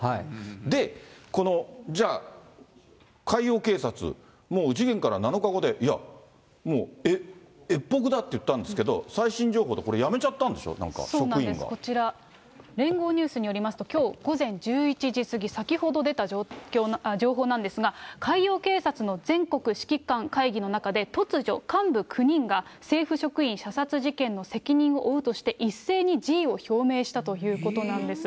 で、じゃあ、海洋警察、もう事件から７日後で、いや、もう越北だって言ったんですけど、最新情報でこれやめちゃったんでこちら、聯合ニュースによりますと、きょう午前１１時過ぎ、先ほど出た情報なんですが、海洋警察の全国指揮官会議の中で、突如、幹部９人が政府職員射殺事件の責任を負うとして一斉に辞意を表明したということなんです。